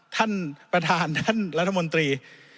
ท่านประธานท่านรัฐมนตรี